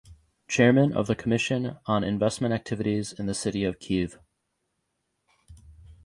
Chairman of the Commission on Investment Activities in the City of Kyiv.